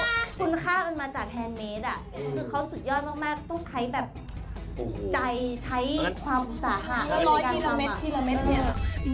ถึง๑๐๐ทิลละเม็ดทิลละเม็ด